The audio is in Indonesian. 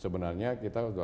sebenarnya kita sudah jauh ya